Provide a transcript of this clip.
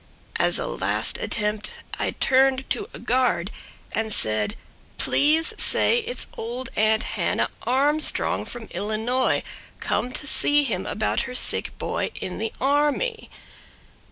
As a last attempt I turned to a guard and said: "Please say it's old Aunt Hannah Armstrong From Illinois, come to see him about her sick boy In the army."